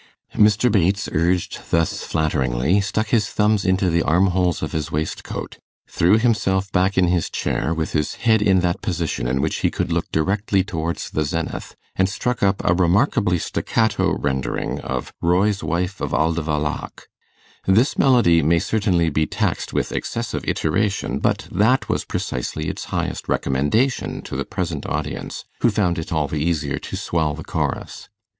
Mr. Bates, urged thus flatteringly, stuck his thumbs into the armholes of his waistcoat, threw himself back in his chair with his head in that position in which he could look directly towards the zenith, and struck up a remarkably staccato rendering of 'Roy's Wife of Aldivalloch'. This melody may certainly be taxed with excessive iteration, but that was precisely its highest recommendation to the present audience, who found it all the easier to swell the chorus.